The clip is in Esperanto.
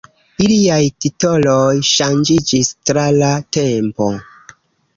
Iliaj titoloj ŝanĝiĝis tra la tempo.